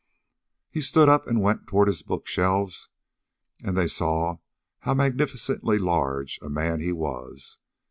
He stood up and went toward his book shelves; and they saw how magnificently large a man he was.